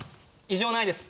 異常ないです。